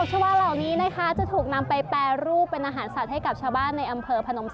ผักตกชาวาเหล่านี้จะถูกนำไปแปรรูป